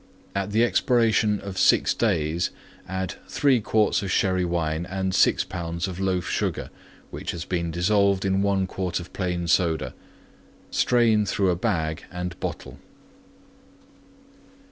At the expiration of 6 days add 3 quarts of Sherry wine and 6 pounds of Loaf Sugar, which has been dissolved in 1 quart of plain Soda. Strain through a bag and bottle.